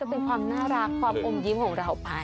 เป็นความน่ารักความอมยิ้มของเราไป